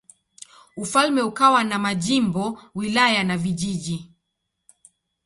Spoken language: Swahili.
Ufalme ukawa na majimbo, wilaya na vijiji.